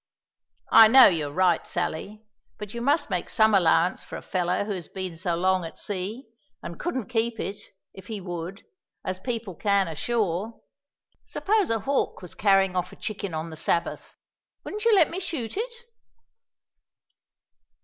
"I know you're right, Sally; but you must make some allowance for a feller who has been so long at sea, and couldn't keep it, if he would, as people can ashore. Suppose a hawk was carrying off a chicken on the Sabbath wouldn't you let me shoot it?"